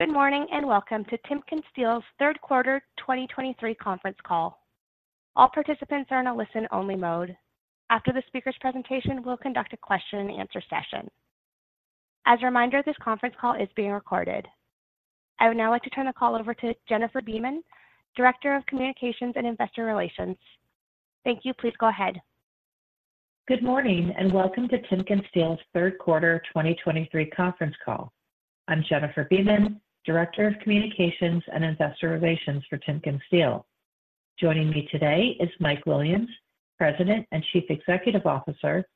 Good morning, and welcome to TimkenSteel's third quarter 2023 conference call. All participants are in a listen-only mode. After the speaker's presentation, we'll conduct a question-and-answer session. As a reminder, this conference call is being recorded. I would now like to turn the call over to Jennifer Beeman, Director of Communications and Investor Relations. Thank you. Please go ahead. Good morning, and welcome to TimkenSteel's third quarter 2023 conference call. I'm Jennifer Beeman, Director of Communications and Investor Relations for TimkenSteel. Joining me today is Mike Williams, President and Chief Executive Officer,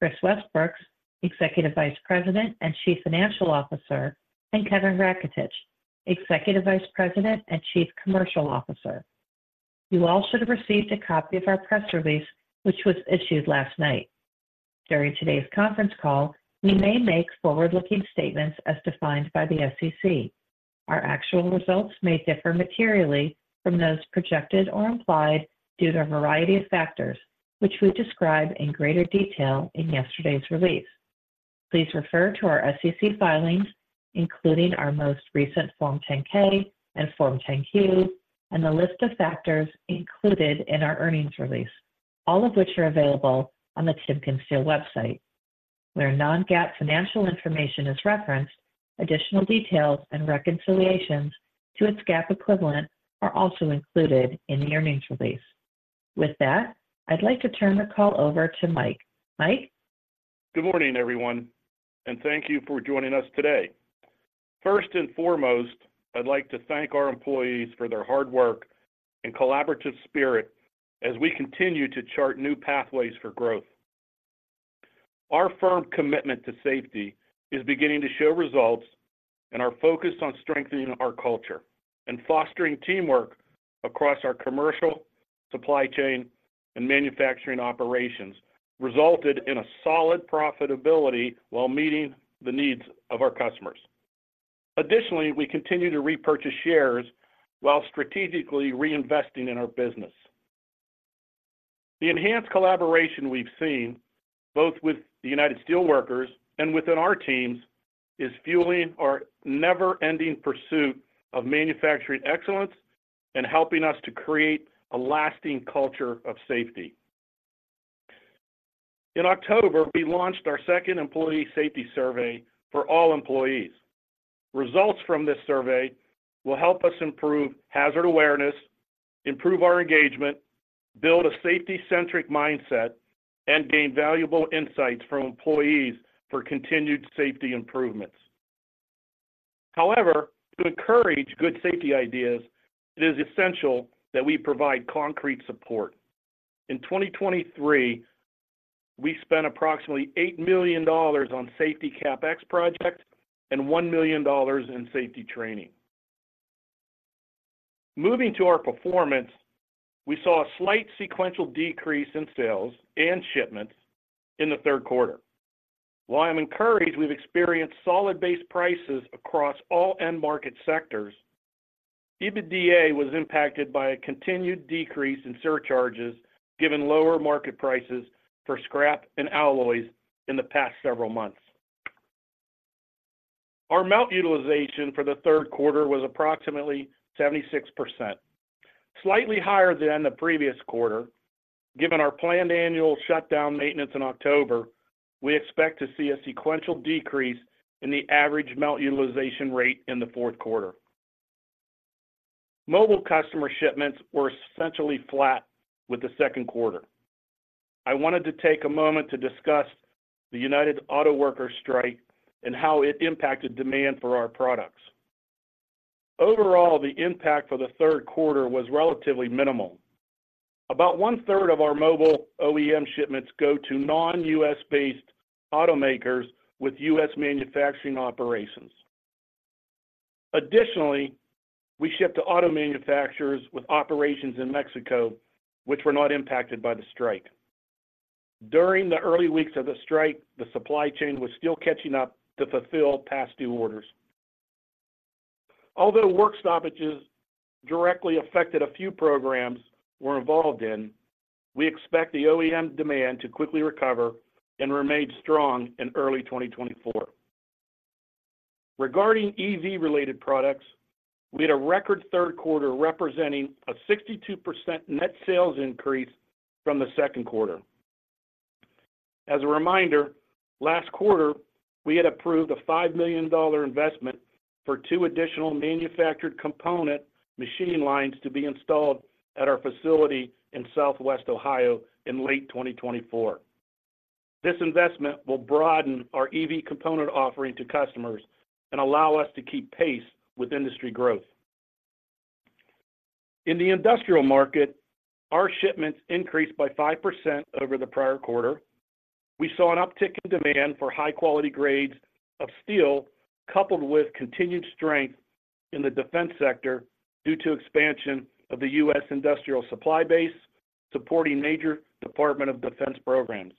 Kris Westbrooks, Executive Vice President and Chief Financial Officer, and Kevin Raketich, Executive Vice President and Chief Commercial Officer. You all should have received a copy of our press release, which was issued last night. During today's conference call, we may make forward-looking statements as defined by the SEC. Our actual results may differ materially from those projected or implied due to a variety of factors, which we describe in greater detail in yesterday's release. Please refer to our SEC filings, including our most recent Form 10-K and Form 10-Q, and the list of factors included in our earnings release, all of which are available on the TimkenSteel website. Where non-GAAP financial information is referenced, additional details and reconciliations to its GAAP equivalent are also included in the earnings release. With that, I'd like to turn the call over to Mike. Mike? Good morning, everyone, and thank you for joining us today. First and foremost, I'd like to thank our employees for their hard work and collaborative spirit as we continue to chart new pathways for growth. Our firm commitment to safety is beginning to show results, and our focus on strengthening our culture and fostering teamwork across our commercial, supply chain, and manufacturing operations resulted in a solid profitability while meeting the needs of our customers. Additionally, we continue to repurchase shares while strategically reinvesting in our business. The enhanced collaboration we've seen, both with the United Steelworkers and within our teams, is fueling our never-ending pursuit of manufacturing excellence and helping us to create a lasting culture of safety. In October, we launched our second employee safety survey for all employees. Results from this survey will help us improve hazard awareness, improve our engagement, build a safety-centric mindset, and gain valuable insights from employees for continued safety improvements. However, to encourage good safety ideas, it is essential that we provide concrete support. In 2023, we spent approximately $8 million on safety CapEx projects and $1 million in safety training. Moving to our performance, we saw a slight sequential decrease in sales and shipments in the third quarter. While I'm encouraged we've experienced solid base prices across all end market sectors, EBITDA was impacted by a continued decrease in surcharges, given lower market prices for scrap and alloys in the past several months. Our melt utilization for the third quarter was approximately 76%, slightly higher than the previous quarter. Given our planned annual shutdown maintenance in October, we expect to see a sequential decrease in the average melt utilization rate in the fourth quarter. Mobile customer shipments were essentially flat with the second quarter. I wanted to take a moment to discuss the United Auto Workers strike and how it impacted demand for our products. Overall, the impact for the third quarter was relatively minimal. About 1/3 of our mobile OEM shipments go to non-U.S.-based automakers with U.S. manufacturing operations. Additionally, we ship to auto manufacturers with operations in Mexico, which were not impacted by the strike. During the early weeks of the strike, the supply chain was still catching up to fulfill past due orders. Although work stoppages directly affected a few programs we're involved in, we expect the OEM demand to quickly recover and remain strong in early 2024. Regarding EV-related products, we had a record third quarter, representing a 62% net sales increase from the second quarter. As a reminder, last quarter, we had approved a $5 million investment for two additional manufactured component machine lines to be installed at our facility in Southwest Ohio in late 2024. This investment will broaden our EV component offering to customers and allow us to keep pace with industry growth. In the industrial market, our shipments increased by 5% over the prior quarter. We saw an uptick in demand for high-quality grades of steel, coupled with continued strength in the defense sector due to expansion of the U.S. industrial supply base, supporting major Department of Defense programs.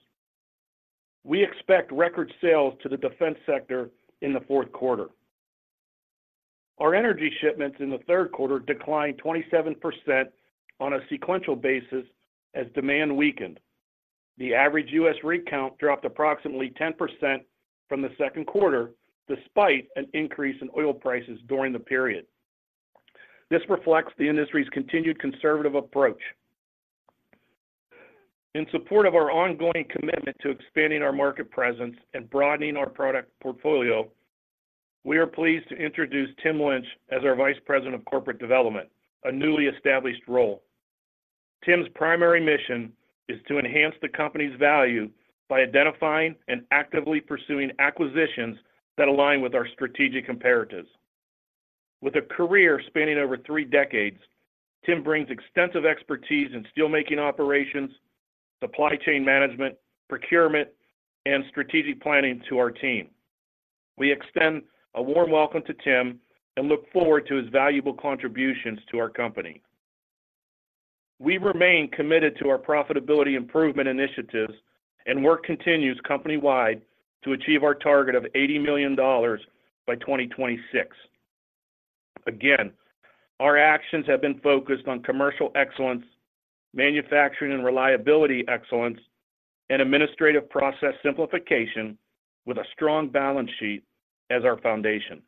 We expect record sales to the defense sector in the fourth quarter. Our energy shipments in the third quarter declined 27% on a sequential basis as demand weakened. The average U.S. rig count dropped approximately 10% from the second quarter, despite an increase in oil prices during the period. This reflects the industry's continued conservative approach. In support of our ongoing commitment to expanding our market presence and broadening our product portfolio, we are pleased to introduce Tim Lynch as our Vice President of Corporate Development, a newly established role. Tim's primary mission is to enhance the company's value by identifying and actively pursuing acquisitions that align with our strategic imperatives. With a career spanning over three decades, Tim brings extensive expertise in steelmaking operations, supply chain management, procurement, and strategic planning to our team. We extend a warm welcome to Tim, and look forward to his valuable contributions to our company. We remain committed to our profitability improvement initiatives, and work continues company-wide to achieve our target of $80 million by 2026. Again, our actions have been focused on commercial excellence, manufacturing and reliability excellence, and administrative process simplification with a strong balance sheet as our foundation.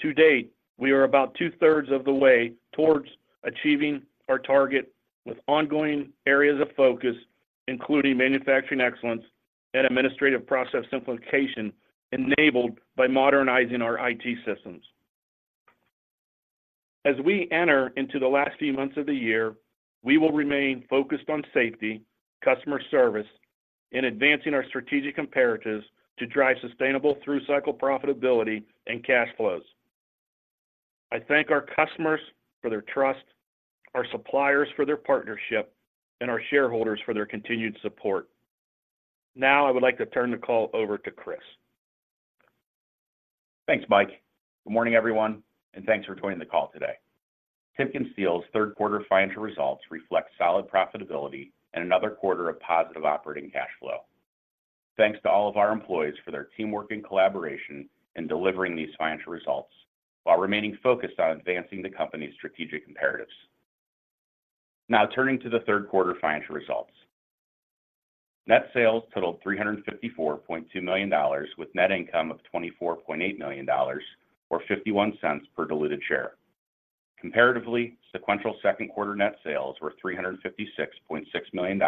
To date, we are about two-thirds of the way towards achieving our target, with ongoing areas of focus, including manufacturing excellence and administrative process simplification, enabled by modernizing our IT systems. As we enter into the last few months of the year, we will remain focused on safety, customer service, and advancing our strategic imperatives to drive sustainable through-cycle profitability and cash flows. I thank our customers for their trust, our suppliers for their partnership, and our shareholders for their continued support. Now, I would like to turn the call over to Kris. Thanks, Mike. Good morning, everyone, and thanks for joining the call today. TimkenSteel's third quarter financial results reflect solid profitability and another quarter of positive operating cash flow. Thanks to all of our employees for their teamwork and collaboration in delivering these financial results, while remaining focused on advancing the company's strategic imperatives. Now turning to the third quarter financial results. Net sales totaled $354.2 million, with net income of $24.8 million or $0.51 per diluted share. Comparatively, sequential second quarter net sales were $356.6 million,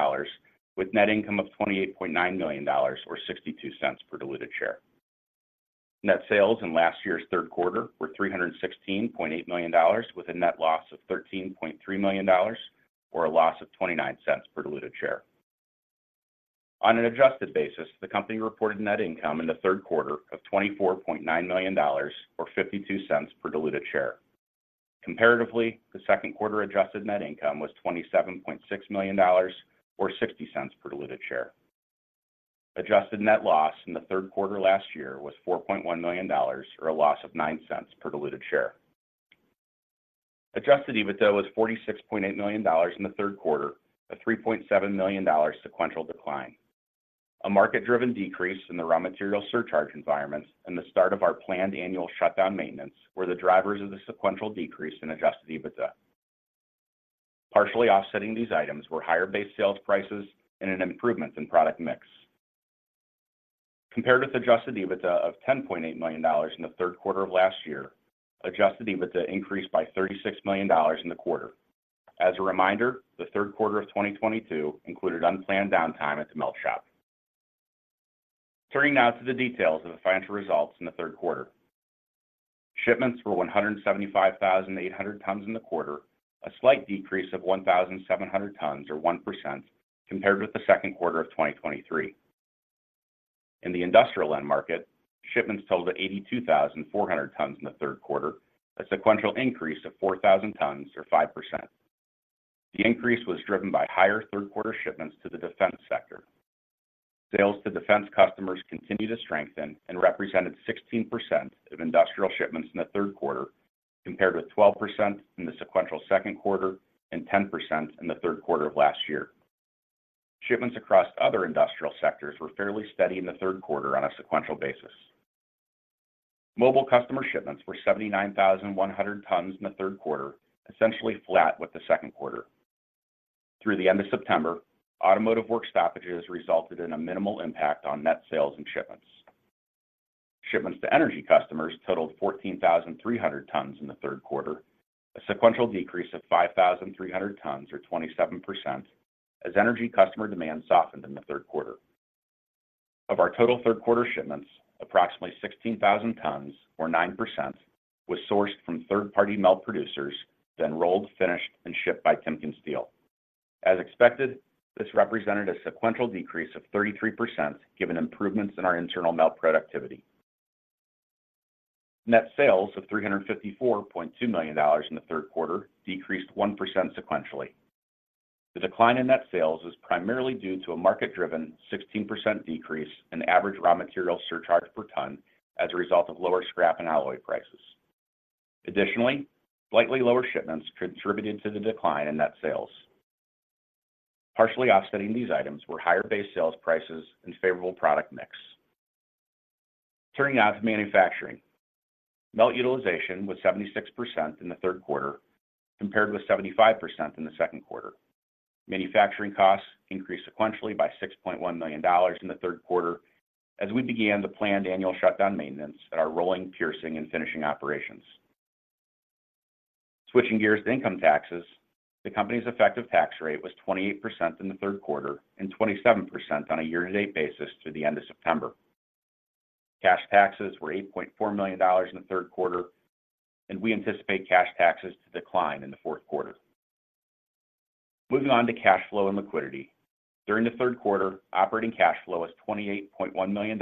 with net income of $28.9 million or $0.62 per diluted share. Net sales in last year's third quarter were $316.8 million, with a net loss of $13.3 million, or a loss of $0.29 per diluted share. On an adjusted basis, the company reported net income in the third quarter of $24.9 million or $0.52 per diluted share. Comparatively, the second quarter adjusted net income was $27.6 million or $0.60 per diluted share. Adjusted net loss in the third quarter last year was $4.1 million, or a loss of $0.09 per diluted share. Adjusted EBITDA was $46.8 million in the third quarter, a $3.7 million sequential decline. A market-driven decrease in the raw material surcharge environments and the start of our planned annual shutdown maintenance were the drivers of the sequential decrease in adjusted EBITDA. Partially offsetting these items were higher base sales prices and an improvement in product mix. Compared with adjusted EBITDA of $10.8 million in the third quarter of last year, adjusted EBITDA increased by $36 million in the quarter. As a reminder, the third quarter of 2022 included unplanned downtime at the melt shop. Turning now to the details of the financial results in the third quarter. Shipments were 175,800 tons in the quarter, a slight decrease of 1,700 tons or 1% compared with the second quarter of 2023. In the industrial end market, shipments totaled 82,400 tons in the third quarter, a sequential increase of 4,000 tons or 5%. The increase was driven by higher third quarter shipments to the defense sector. Sales to defense customers continued to strengthen and represented 16% of industrial shipments in the third quarter, compared with 12% in the sequential second quarter and 10% in the third quarter of last year. Shipments across other industrial sectors were fairly steady in the third quarter on a sequential basis. Mobile customer shipments were 79,100 tons in the third quarter, essentially flat with the second quarter. Through the end of September, automotive work stoppages resulted in a minimal impact on net sales and shipments. Shipments to energy customers totaled 14,300 tons in the third quarter, a sequential decrease of 5,300 tons, or 27%, as energy customer demand softened in the third quarter. Of our total third quarter shipments, approximately 16,000 tons, or 9%, was sourced from third-party melt producers, then rolled, finished, and shipped by TimkenSteel. As expected, this represented a sequential decrease of 33%, given improvements in our internal melt productivity. Net sales of $354.2 million in the third quarter decreased 1% sequentially. The decline in net sales is primarily due to a market-driven 16% decrease in average raw material surcharge per ton as a result of lower scrap and alloy prices. Additionally, slightly lower shipments contributed to the decline in net sales. Partially offsetting these items were higher base sales prices and favorable product mix. Turning now to manufacturing. Melt utilization was 76% in the third quarter, compared with 75% in the second quarter. Manufacturing costs increased sequentially by $6.1 million in the third quarter, as we began the planned annual shutdown maintenance at our rolling, piercing, and finishing operations. Switching gears to income taxes, the company's effective tax rate was 28% in the third quarter and 27% on a year-to-date basis through the end of September. Cash taxes were $8.4 million in the third quarter, and we anticipate cash taxes to decline in the fourth quarter. Moving on to cash flow and liquidity. During the third quarter, operating cash flow was $28.1 million,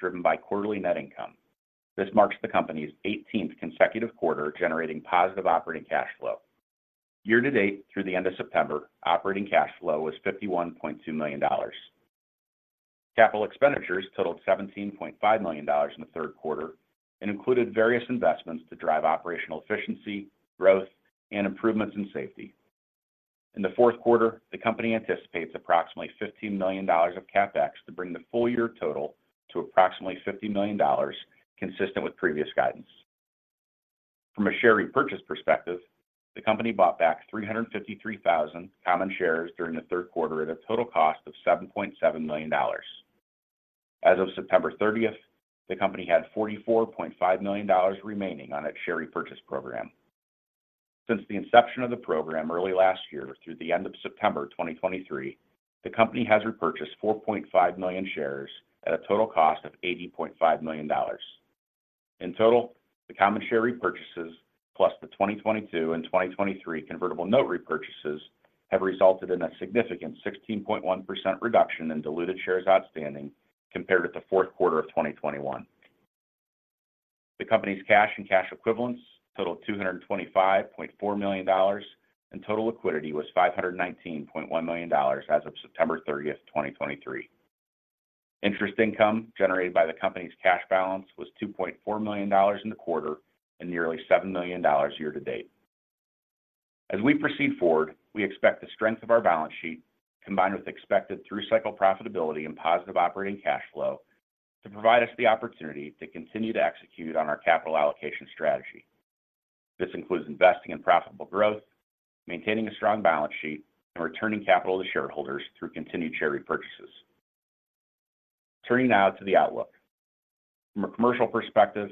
driven by quarterly net income. This marks the company's 18th consecutive quarter, generating positive operating cash flow. Year-to-date, through the end of September, operating cash flow was $51.2 million. Capital expenditures totaled $17.5 million in the third quarter and included various investments to drive operational efficiency, growth, and improvements in safety. In the fourth quarter, the company anticipates approximately $15 million of CapEx to bring the full-year total to approximately $50 million, consistent with previous guidance. From a share repurchase perspective, the company bought back 353,000 common shares during the third quarter at a total cost of $7.7 million. As of September 30th, the company had $44.5 million remaining on its share repurchase program. Since the inception of the program early last year through the end of September 2023, the company has repurchased 4.5 million shares at a total cost of $80.5 million. In total, the common share repurchases, plus the 2022 and 2023 convertible note repurchases, have resulted in a significant 16.1% reduction in diluted shares outstanding compared with the fourth quarter of 2021. The company's cash and cash equivalents totaled $225.4 million, and total liquidity was $519.1 million as of September 30th, 2023. Interest income generated by the company's cash balance was $2.4 million in the quarter and nearly $7 million year to date. As we proceed forward, we expect the strength of our balance sheet, combined with expected through cycle profitability and positive operating cash flow, to provide us the opportunity to continue to execute on our capital allocation strategy. This includes investing in profitable growth, maintaining a strong balance sheet, and returning capital to shareholders through continued share repurchases. Turning now to the outlook. From a commercial perspective,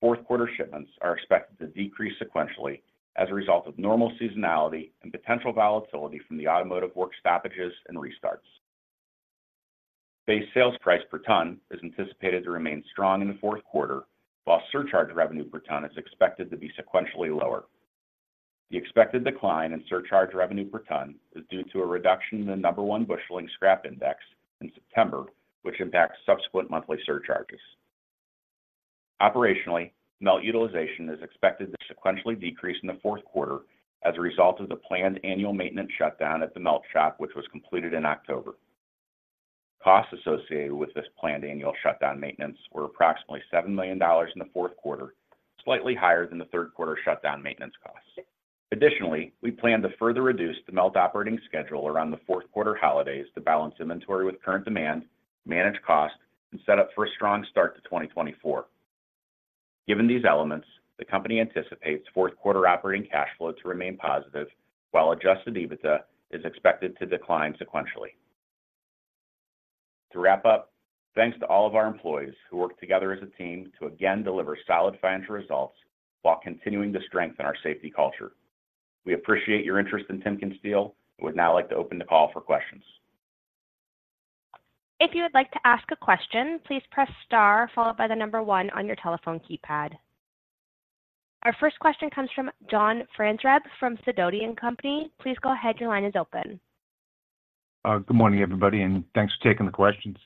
fourth quarter shipments are expected to decrease sequentially as a result of normal seasonality and potential volatility from the automotive work stoppages and restarts. Base sales price per ton is anticipated to remain strong in the fourth quarter, while surcharge revenue per ton is expected to be sequentially lower. The expected decline in surcharge revenue per ton is due to a reduction in the No. 1 Busheling scrap index in September, which impacts subsequent monthly surcharges. Operationally, melt utilization is expected to sequentially decrease in the fourth quarter as a result of the planned annual maintenance shutdown at the melt shop, which was completed in October. Costs associated with this planned annual shutdown maintenance were approximately $7 million in the fourth quarter, slightly higher than the third quarter shutdown maintenance costs. Additionally, we plan to further reduce the melt operating schedule around the fourth quarter holidays to balance inventory with current demand, manage costs, and set up for a strong start to 2024. Given these elements, the company anticipates fourth quarter operating cash flow to remain positive, while Adjusted EBITDA is expected to decline sequentially. To wrap up, thanks to all of our employees who worked together as a team to again deliver solid financial results while continuing to strengthen our safety culture. We appreciate your interest in TimkenSteel and would now like to open the call for questions. If you would like to ask a question, please press star followed by the number one on your telephone keypad. Our first question comes from John Franzreb from Sidoti & Company. Please go ahead. Your line is open. Good morning, everybody, and thanks for taking the questions.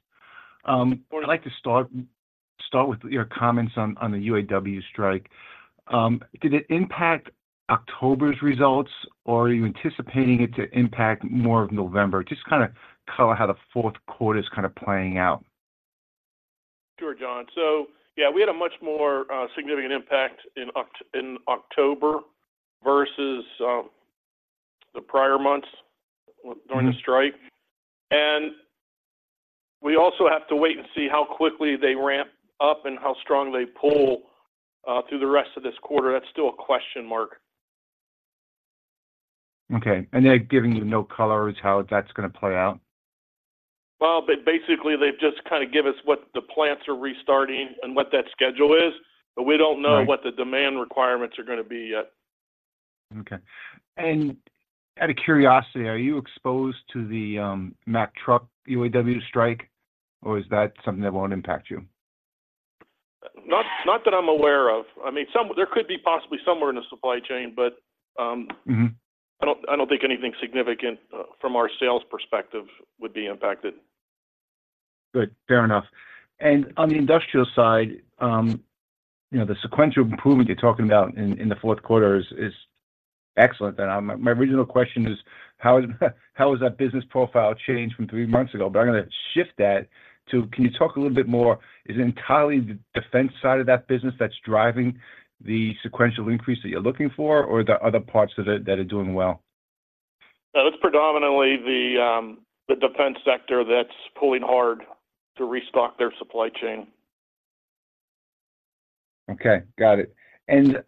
I'd like to start with your comments on the UAW strike. Did it impact October's results, or are you anticipating it to impact more of November? Just kind of color how the fourth quarter is kind of playing out. Sure, John. So yeah, we had a much more significant impact in October versus the prior months during the strike. We also have to wait and see how quickly they ramp up and how strong they pull through the rest of this quarter. That's still a question mark. Okay. They're giving you no color as to how that's gonna play out? Well, but basically, they've just kind of give us what the plants are restarting and what that schedule is. Right. But we don't know what the demand requirements are gonna be yet. Okay. And out of curiosity, are you exposed to the Mack Truck UAW strike, or is that something that won't impact you? Not that I'm aware of. I mean, there could be possibly somewhere in the supply chain, but, I don't think anything significant from our sales perspective would be impacted. Good. Fair enough. And on the industrial side, you know, the sequential improvement you're talking about in the fourth quarter is excellent. And my original question is, how has that business profile changed from three months ago? But I'm gonna shift that to, can you talk a little bit more, is it entirely the defense side of that business that's driving the sequential increase that you're looking for, or are there other parts of it that are doing well? So it's predominantly the defense sector that's pulling hard to restock their supply chain. Okay, got it.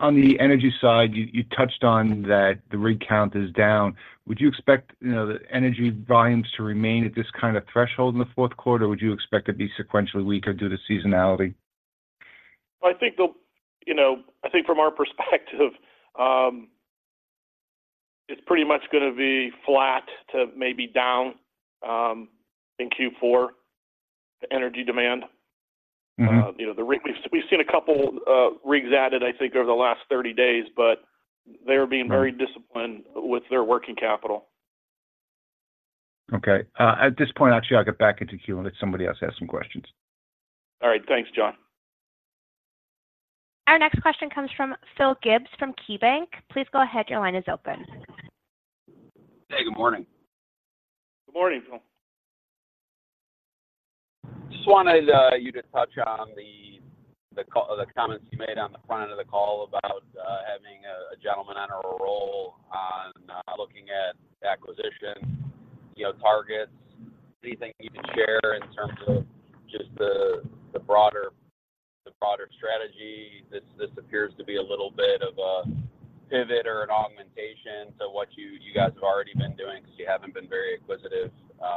On the energy side, you touched on that the rig count is down. Would you expect, you know, the energy volumes to remain at this kind of threshold in the fourth quarter? Or would you expect it to be sequentially weaker due to seasonality? I think, you know, I think from our perspective, it's pretty much gonna be flat to maybe down in Q4, the energy demand. You know, we've seen a couple of rigs added, I think, over the last 30 days, but they're being very disciplined with their working capital. Okay. At this point, actually, I'll get back into queue and let somebody else ask some questions. All right. Thanks, John. Our next question comes from Phil Gibbs, from KeyBanc. Please go ahead. Your line is open. Hey, good morning. Good morning, Phil. Just wanted you to touch on the comments you made on the front end of the call about having a gentleman in a role on looking at acquisition, you know, targets. Anything you can share in terms of just the broader strategy? This appears to be a little bit of a pivot or an augmentation to what you guys have already been doing, because you haven't been very acquisitive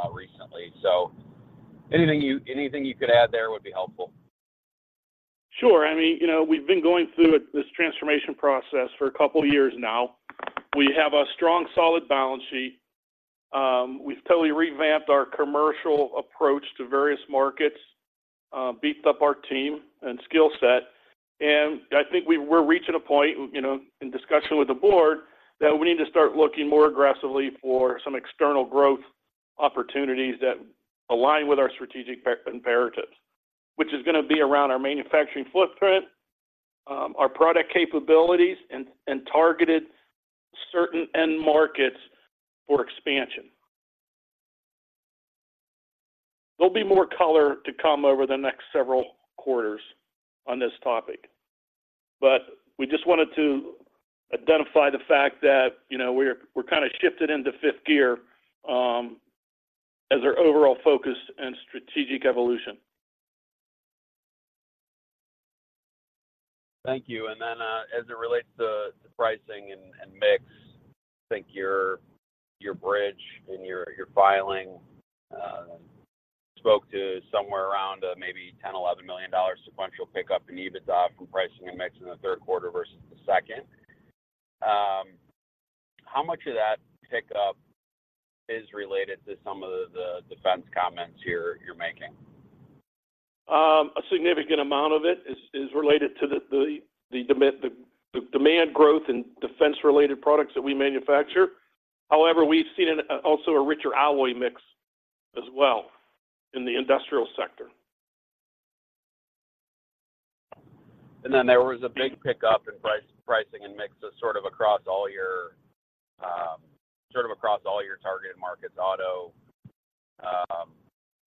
recently. So anything you could add there would be helpful. Sure. I mean, you know, we've been going through this transformation process for a couple of years now. We have a strong, solid balance sheet. We've totally revamped our commercial approach to various markets, beefed up our team and skill set, and I think we're reaching a point, you know, in discussion with the board, that we need to start looking more aggressively for some external growth opportunities that align with our strategic imperatives, which is gonna be around our manufacturing footprint, our product capabilities, and targeted certain end markets for expansion. There'll be more color to come over the next several quarters on this topic, but we just wanted to identify the fact that, you know, we're kind of shifted into fifth gear, as our overall focus and strategic evolution. Thank you. Then, as it relates to pricing and mix, I think your bridge and your filing spoke to somewhere around maybe $10 million-$11 million sequential pickup in EBITDA from pricing and mix in the third quarter versus the second. How much of that pickup is related to some of the defense comments you're making? A significant amount of it is related to the demand growth in defense-related products that we manufacture. However, we've seen also a richer alloy mix as well in the industrial sector. Then there was a big pickup in pricing and mix sort of across all your targeted markets, auto,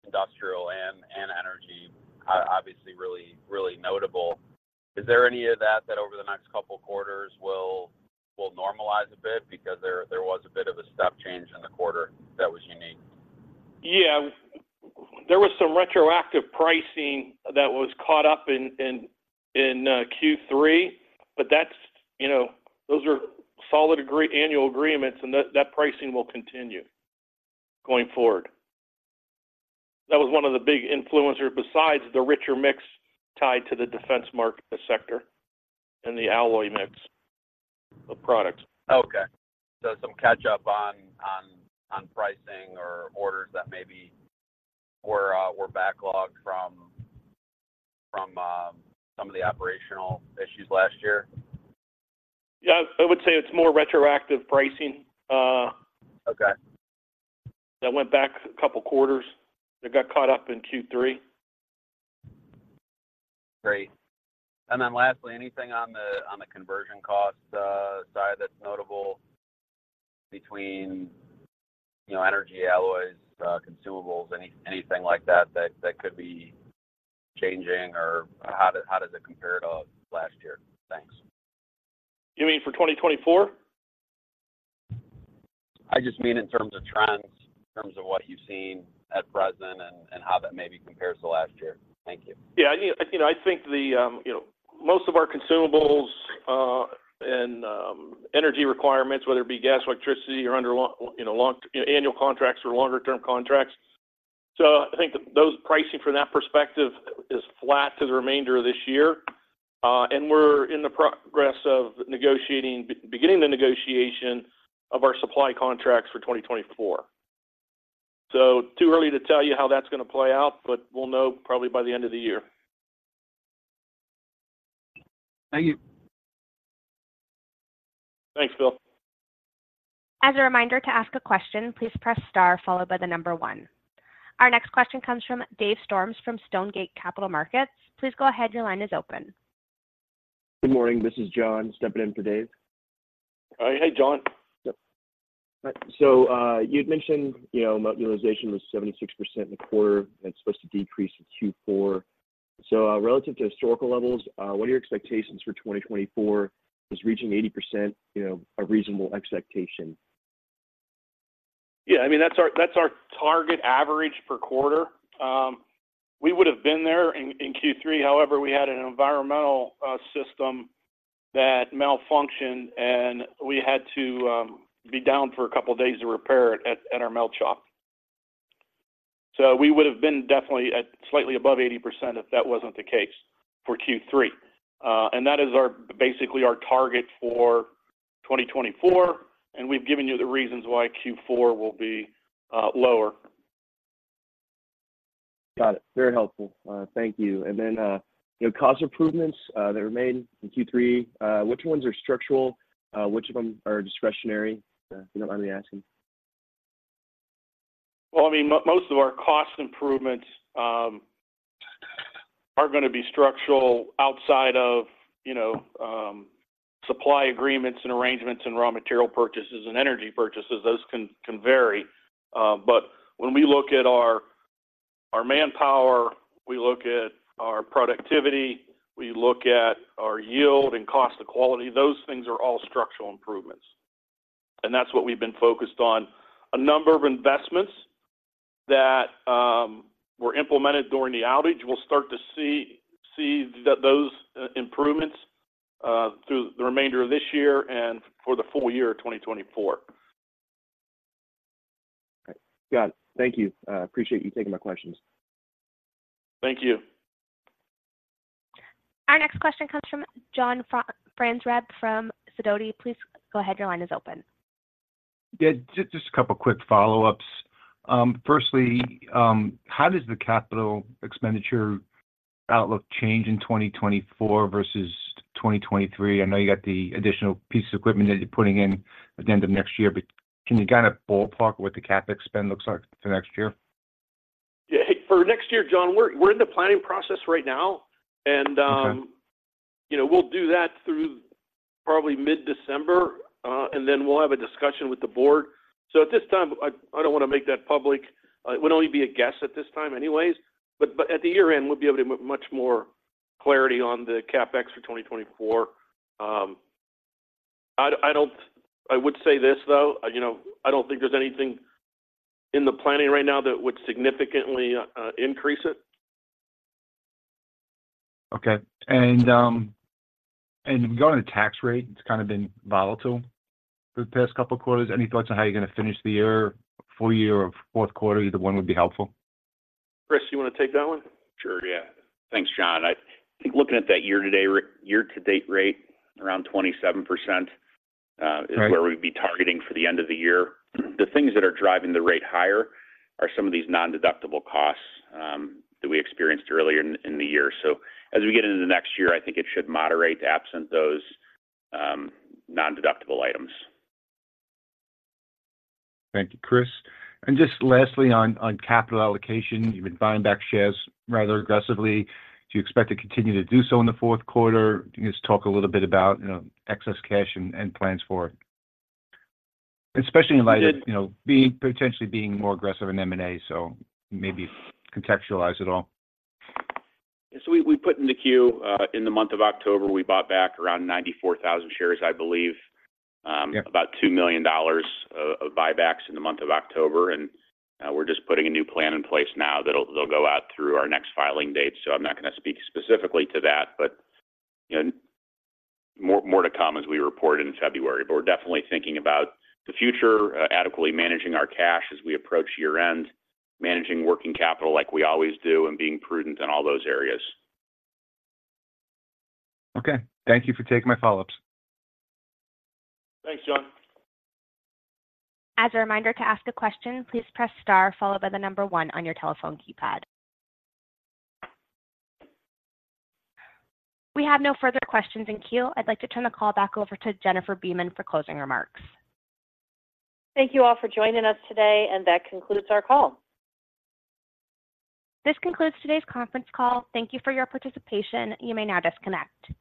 industrial, and energy, obviously, really, really notable. Is there any of that over the next couple of quarters that will normalize a bit? Because there was a bit of a step change in the quarter that was unique. Yeah. There was some retroactive pricing that was caught up in Q3, but that's, you know, those are solid annual agreements, and that pricing will continue going forward. That was one of the big influencers besides the richer mix tied to the defense market sector and the alloy mix of products. Okay. So some catch up on pricing or orders that maybe were backlogged from some of the operational issues last year? Yeah. I would say it's more retroactive pricing that went back a couple quarters, that got caught up in Q3. Great. And then lastly, anything on the conversion cost side that's notable between, you know, energy, alloys, consumables, anything like that that could be changing? Or how does it compare to last year? Thanks. You mean for 2024? I just mean in terms of trends, in terms of what you've seen at present and, and how that maybe compares to last year. Thank you. Yeah, I mean, you know, I think the, you know, most of our consumables, and, energy requirements, whether it be gas, electricity, are under long, you know, long, annual contracts or longer-term contracts. So I think those pricing from that perspective is flat to the remainder of this year, and we're in the progress of negotiating, beginning the negotiation of our supply contracts for 2024. So too early to tell you how that's gonna play out, but we'll know probably by the end of the year. Thank you. Thanks, Phil. As a reminder, to ask a question, please press star followed by the number one. Our next question comes from Dave Storms, from Stonegate Capital Markets. Please go ahead. Your line is open. Good morning. This is John, stepping in for Dave. Hi. Hey, John. Yep. So, you'd mentioned, you know, utilization was 76% in the quarter, and it's supposed to decrease in Q4. So, relative to historical levels, what are your expectations for 2024? Is reaching 80%, you know, a reasonable expectation? Yeah, I mean, that's our, that's our target average per quarter. We would have been there in Q3. However, we had an environmental system that malfunctioned, and we had to be down for a couple of days to repair it at our melt shop. So we would have been definitely at slightly above 80% if that wasn't the case for Q3. And that is our basically our target for 2024, and we've given you the reasons why Q4 will be lower. Got it. Very helpful. Thank you. And then, you know, cost improvements that were made in Q3, which ones are structural, which of them are discretionary? If you don't mind me asking. Well, I mean, most of our cost improvements are gonna be structural outside of, you know, supply agreements and arrangements and raw material purchases and energy purchases. Those can vary. But when we look at our manpower, we look at our productivity, we look at our yield and cost of quality, those things are all structural improvements, and that's what we've been focused on. A number of investments that were implemented during the outage, we'll start to see those improvements through the remainder of this year and for the full year of 2024. Okay. Got it. Thank you. Appreciate you taking my questions. Thank you. Our next question comes from John Franzreb from Sidoti. Please go ahead, your line is open. Yeah, just a couple quick follow-ups. Firstly, how does the capital expenditure outlook change in 2024 versus 2023? I know you got the additional piece of equipment that you're putting in at the end of next year, but can you kind of ballpark what the CapEx spend looks like for next year? Yeah. For next year, John, we're in the planning process right now, and Okay... you know, we'll do that through probably mid-December, and then we'll have a discussion with the board. So at this time, I don't want to make that public. It would only be a guess at this time anyways, but at the year-end, we'll be able to move much more clarity on the CapEx for 2024. I would say this, though, you know, I don't think there's anything in the planning right now that would significantly increase it. Okay. And regarding the tax rate, it's kind of been volatile for the past couple of quarters. Any thoughts on how you're going to finish the year, full year or fourth quarter? Either one would be helpful. Kris, you want to take that one? Sure, yeah. Thanks, John. I think looking at that year-to-date rate, around 27%. Right... is where we'd be targeting for the end of the year. The things that are driving the rate higher are some of these nondeductible costs that we experienced earlier in the year. So as we get into the next year, I think it should moderate absent those nondeductible items. Thank you, Kris. Just lastly, on, on capital allocation, you've been buying back shares rather aggressively. Do you expect to continue to do so in the fourth quarter? Can you just talk a little bit about, you know, excess cash and, and plans for it? Especially in light of- Yeah... you know, being potentially more aggressive in M&A, so maybe contextualize it all. We put in the Q. In the month of October, we bought back around 94,000 shares, I believe. Yeah. About $2 million of buybacks in the month of October, and we're just putting a new plan in place now that'll go out through our next filing date. So I'm not gonna speak specifically to that, but you know, more to come as we report in February. But we're definitely thinking about the future, adequately managing our cash as we approach year-end, managing working capital like we always do, and being prudent in all those areas. Okay. Thank you for taking my follow-ups. Thanks, John. As a reminder, to ask a question, please press star followed by one on your telephone keypad. We have no further questions in queue. I'd like to turn the call back over to Jennifer Beeman for closing remarks. Thank you all for joining us today, and that concludes our call. This concludes today's conference call. Thank you for your participation. You may now disconnect.